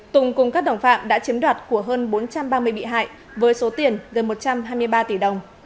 tùng cùng các đồng phạm đã chiếm đoạt của hơn bốn trăm ba mươi bị hại với số tiền gần một trăm hai mươi ba tỷ đồng